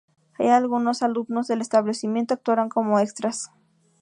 Algunos alumnos del establecimiento actuaron como extras.